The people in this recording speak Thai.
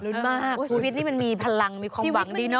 รุ้นมากวิทย์นี่มันมีพลังมีความหวังดี